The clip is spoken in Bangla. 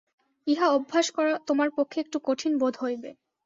ইহা অভ্যাস করা তোমার পক্ষে একটু কঠিন বোধ হইবে।